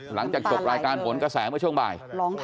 หลังจากจบรายการผลกระแสเมื่อช่วงบ่าย